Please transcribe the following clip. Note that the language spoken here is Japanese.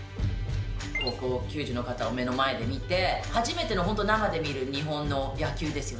高校球児の方を目の前で見て、初めての本当、生で見る日本の野球ですよ。